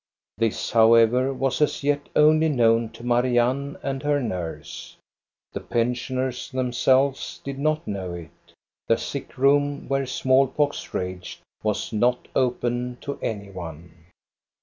This, however, was as yet only known to Marianne and her nurse. The pensioners themselves did not know it. The sick room where small pox raged was not open to any one.